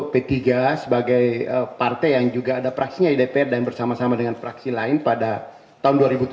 p tiga sebagai partai yang juga ada praksinya di dpr dan bersama sama dengan fraksi lain pada tahun dua ribu tujuh belas